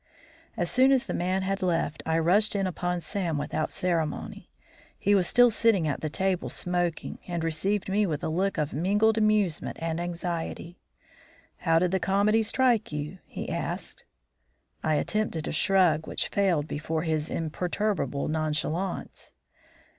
As soon as the man had left I rushed in upon Sam without ceremony. He was still sitting at the table smoking, and received me with a look of mingled amusement and anxiety. "How did the comedy strike you?" he asked. I attempted a shrug which failed before his imperturbable nonchalance.